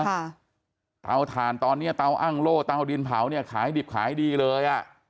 ค่ะเตาถ่านตอนเนี้ยเตาอ้างโล่เตาดินเผาเนี่ยขายดิบขายดีเลยอ่ะ